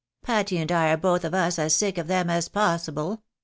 Patty and I are both of us as sick of them as possible.